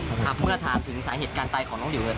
ต้องหานะครับถ้าเมื่อถามถึงสาเหตุการณ์ตายของน้องหลิวเนี่ย